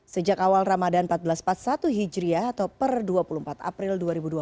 sejak awal ramadan seribu empat ratus empat puluh satu hijriah atau per dua puluh empat april dua ribu dua puluh